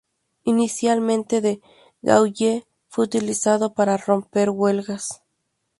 Inicialmente, de Gaulle fue utilizado para romper huelgas.